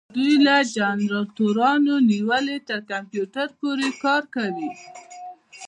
دوی له جنراتورونو نیولې تر کمپیوټر پورې کار کوي.